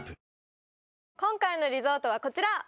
今回のリゾートはこちら！